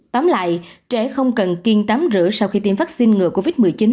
tóm lại trẻ không cần kiên tắm rửa sau khi tiêm vaccine ngừa covid một mươi chín